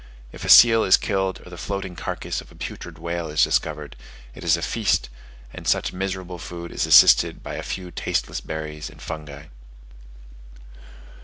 If a seal is killed, or the floating carcass of a putrid whale is discovered, it is a feast; and such miserable food is assisted by a few tasteless berries and fungi.